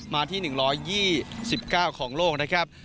มาที่๑๒๙ของโลกนะครับ